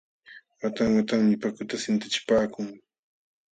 Watan watanmi pukuta sintachipaakun.